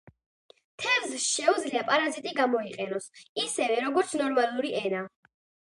თევზს შეუძლია პარაზიტი გამოიყენოს ისევე, როგორც ნორმალური ენა.